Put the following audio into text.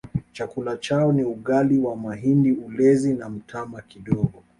Chakula chao ni ugali wa mahindi ulezi na mtama kidogo